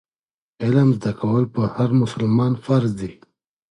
علم زده کول پر هر مسلمان فرض دي.